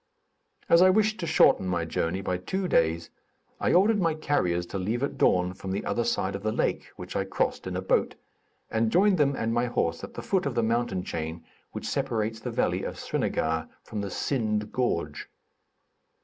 As I wished to shorten my journey by two days, I ordered my carriers to leave at dawn from the other side of the lake, which I crossed in a boat, and joined them and my horse at the foot of the mountain chain which separates the valley of Srinagar from the Sind gorge.